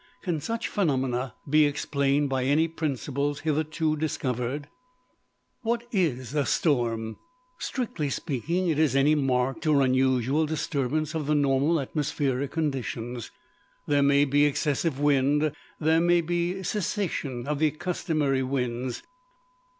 Can such phenomena be explained by any principles hitherto discovered? What is a storm? Strictly speaking, it is any marked or unusual disturbance of the normal atmospheric conditions. There may be excessive wind: there may be cessation of the customary winds.